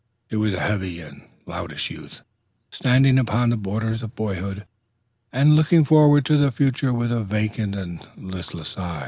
He was a heavy and loutish youth, standing upon the borders of boyhood, and looking forward to the future with a vacant and listless eye.